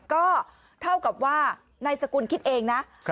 ก็เท่ากับว่านายสกุลคิดเองนะ